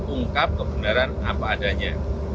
ungkap kebenaran apa adanya